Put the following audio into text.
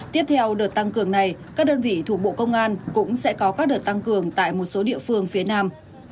tiếp theo đợt tăng cường này các đơn vị thuộc bộ công an cũng sẽ có các đợt tăng cường tại một số địa phương phía nam